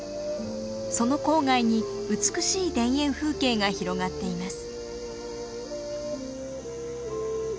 その郊外に美しい田園風景が広がっています。